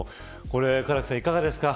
これ唐木さんいかがですか。